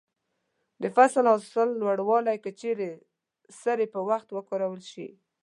د فصل حاصل لوړوي که چیرې سرې په وخت وکارول شي.